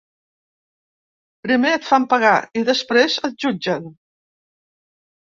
Primer et fan pagar i després et jutgen.